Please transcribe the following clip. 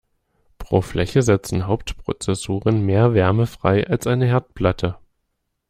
Pro Fläche setzen Hauptprozessoren mehr Wärme frei als eine Herdplatte.